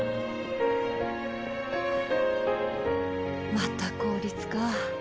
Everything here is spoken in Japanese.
また効率か。